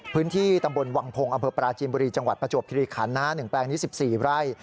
พื้นที่ตำบลวังพงศ์อำเภอปราจีนบุรีจังหวัดประจวบคิริคัน๑แปลงนี้๑๔ไร่